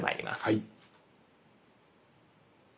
はい。